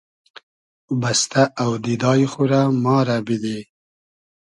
بئستۂ اۆدیدای خو رۂ ما رۂ بیدی